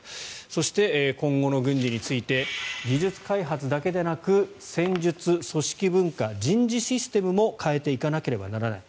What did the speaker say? そして今後の軍事について技術開発だけでなく戦術、組織文化人事システムも変えていかなければいけない。